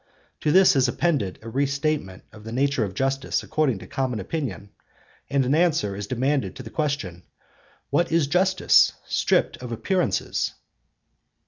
To this is appended a restatement of the nature of justice according to common opinion, and an answer is demanded to the question—What is justice, stripped of appearances?